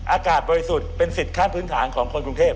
อากาศบริสุทธิ์เป็นสิทธิ์ขั้นพื้นฐานของคนกรุงเทพ